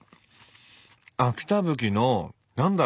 秋田ぶきの何だろう